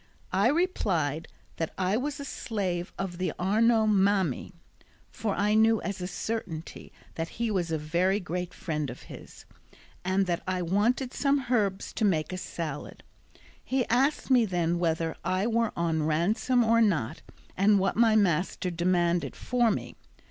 I replied that I was a slave of the Arnaut Mami (for I knew as a certainty that he was a very great friend of his), and that I wanted some herbs to make a salad. He asked me then whether I were on ransom or not, and what my master demanded for me.